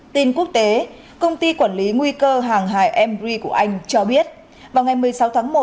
tin quốc tế công ty quản lý nguy cơ hàng hải embry của anh cho biết vào ngày một mươi sáu tháng một